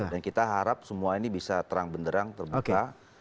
dan kita harap semua ini bisa terang benderang terbuka